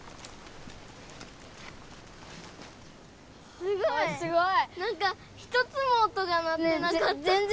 すごい！おすごい！